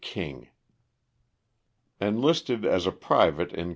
KING C JSTLISTED as a private in Co.